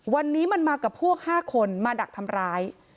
วันนี้มันมากับพวก๕คนมาดักทำร้าย